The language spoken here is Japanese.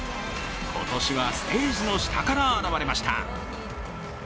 今年はステージの下から現れました。